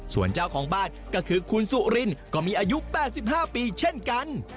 ส่วนเจ้าของบ้านก็คือคุณสุรินก็มีอายุ๘๕ปีเช่นกัน